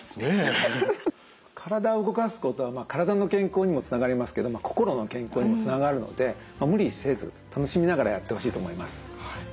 体を動かすことは体の健康にもつながりますけども心の健康にもつながるので無理せず楽しみながらやってほしいと思います。